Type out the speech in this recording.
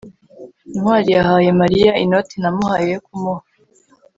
ntwali yahaye mariya inoti namuhaye yo kumuha